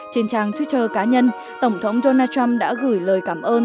trên trang twitter cá nhân tổng thống donald trump đã gửi lời cảm ơn